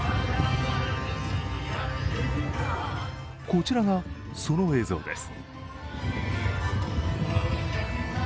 こちらが、その映像です。